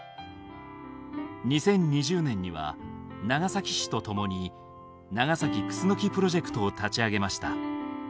２０２０年には長崎市とともに「長崎クスノキプロジェクト」を立ち上げました。